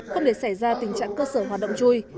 không để xảy ra tình trạng cơ sở hoạt động chui